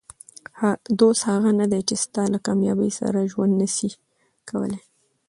دوست هغه نه دئ، چي ستا له کامیابۍ سره ژوند نسي کولای.